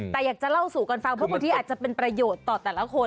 แต่อยากจะเล่าสู่กันฟังเพราะบางทีอาจจะเป็นประโยชน์ต่อแต่ละคน